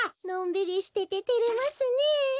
のんびりしてててれますねえ。